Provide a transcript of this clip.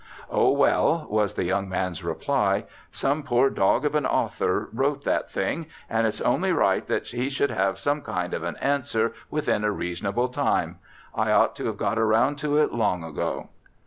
"Oh, well," was the young man's reply, "some poor dog of an author wrote the thing, and it's only right that he should have some kind of an answer within a reasonable time. I ought to have got around to it long ago."